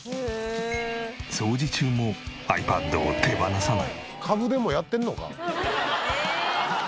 掃除中もｉＰａｄを手放さない。